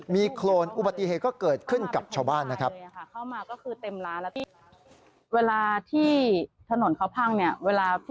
มีโครนอุบัติเหตุก็เกิดขึ้นกับชาวบ้านนะครับ